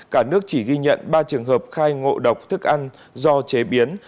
cả nước chỉ ghi nhận ba trường hợp khai ngộ độc thức ăn do chế biến